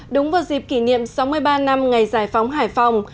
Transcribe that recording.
đúng vào dịp kỷ niệm sáu mươi ba năm ngày giải phóng hải phòng